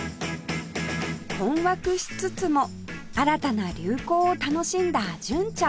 困惑しつつも新たな流行を楽しんだ純ちゃん